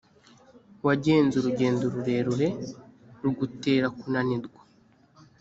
wagenze urugendo rurerure rugutera kunanirwa